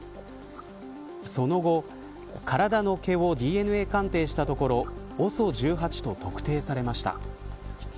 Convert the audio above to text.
その後、体の毛をＤＮＡ鑑定したところＯＳＯ１８と特定されました。